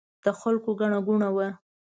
د خلکو ګڼه ګوڼه وه.